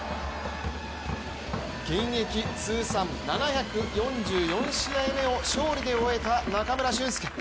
現役通算７４４試合目を勝利で終えた中村俊輔。